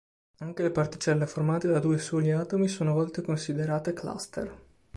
Anche le particelle formate da due soli atomi sono a volte considerate cluster.